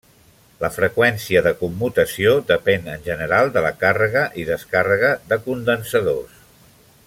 La freqüència de commutació depèn, en general, de la càrrega i descàrrega de condensadors.